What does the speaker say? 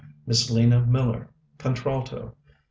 _ MISS LENA MILLER _Contralto.